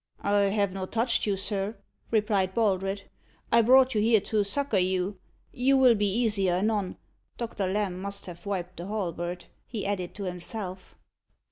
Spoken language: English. "I have not touched you, sir," replied Baldred. "I brought you here to succour you. You will be easier anon. Doctor Lamb must have wiped the halberd," he added to himself.